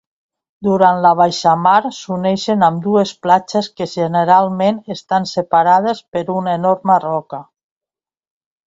Durant la baixamar s'uneixen ambdues platges que generalment estan separades per una enorme roca.